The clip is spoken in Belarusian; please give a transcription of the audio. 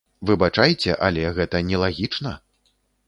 Выбачайце, але гэта нелагічна.